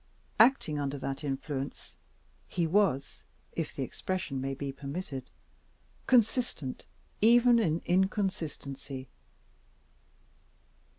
Acting under that influence, he was (if the expression may be permitted) consistent even in inconsistency.